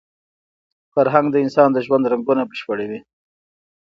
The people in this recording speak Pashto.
فرهنګ د انسان د ژوند رنګونه بشپړوي.